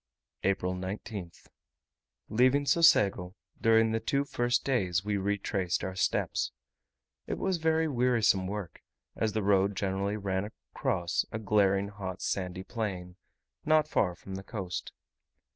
April 19th. Leaving Socego, during the two first days, we retraced our steps. It was very wearisome work, as the road generally ran across a glaring hot sandy plain, not far from the coast.